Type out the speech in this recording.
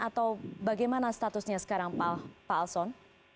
atau bagaimana statusnya sekarang pak alson